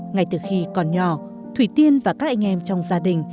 ngay từ khi còn nhỏ thủy tiên và các anh em trong gia đình